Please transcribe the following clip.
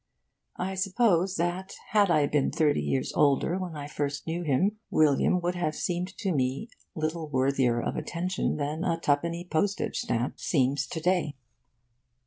I suppose that had I been thirty years older when first I knew him, William would have seemed to me little worthier of attention than a twopenny postage stamp seems to day.